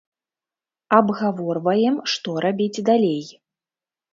Абгаворваем, што рабіць далей.